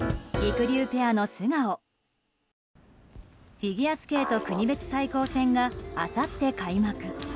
フィギュアスケート国別対抗戦が、あさって開幕。